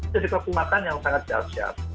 jadi kekuatan yang sangat jauh jauh